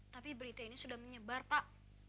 tapi berita ini sudah menyebar pak